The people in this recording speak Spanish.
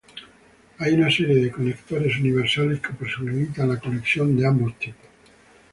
Hay una serie de conectores universales que posibilitan la conexión de ambos tipos.